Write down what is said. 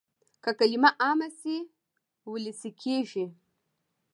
که کلمه عامه شي وولسي کېږي.